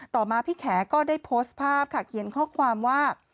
ต่อมาพี่แขก็ได้โพสต์ภาพค่ะเขียนข้อความว่า